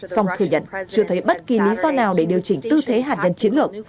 song thừa nhận chưa thấy bất kỳ lý do nào để điều chỉnh tư thế hạt nhân chiến lược